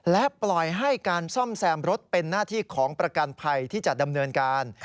และปล่อยให้การซ่อมแซมรถเป็นหน้าที่ของประกันภัยที่จะดำเนินการ